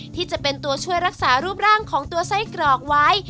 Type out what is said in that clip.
ที่จะเป็นตัวช่วยรักษารูปร่างของตัวไส้กรอกไว้